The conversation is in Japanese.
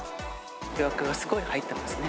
予約がすごい入ってますね。